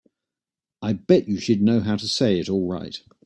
I bet you she'd know how to say it all right.